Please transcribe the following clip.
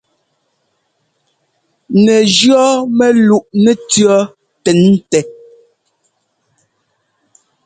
Nɛ jʉɔ́ mɛluꞋ nɛtʉ̈ɔ́ tɛn tɛ.